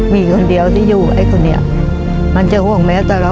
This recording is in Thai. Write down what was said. มีคนเดียวที่อยู่ไอ้คนนี้มันจะห่วงแม้แต่เรา